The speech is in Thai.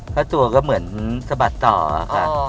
ค่าตัวก็เหมือนสะบัดต่อนะคะ